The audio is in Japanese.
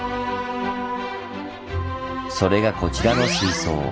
それがこちらの水槽。